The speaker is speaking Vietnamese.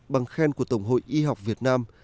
bằng khen của tổng hội y học việt nam